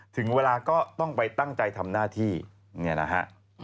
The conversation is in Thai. ถึงเวลาก็ต้องไปตั้งใจทำหน้าที่เนี่ยนะฮะ